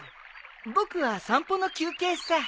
僕は散歩の休憩さ。